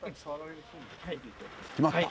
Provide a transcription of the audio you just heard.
決まった？